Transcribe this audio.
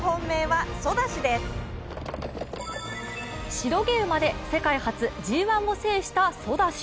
白毛馬で世界初ＧⅠを制したソダシ。